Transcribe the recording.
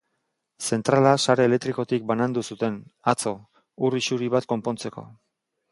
Zentrala sare elektrikotik banandu zuten, atzo, ur isuri bat konpontzeko.